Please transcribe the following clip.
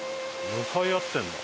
向かい合ってるんだ。